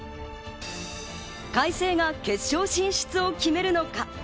開成が決勝進出を決めるのか。